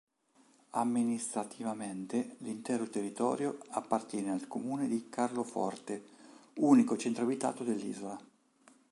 Amministrativamente l'intero territorio appartiene al comune di Carloforte, unico centro abitato dell'isola.